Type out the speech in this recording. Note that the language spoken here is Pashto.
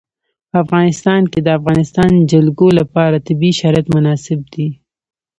په افغانستان کې د د افغانستان جلکو لپاره طبیعي شرایط مناسب دي.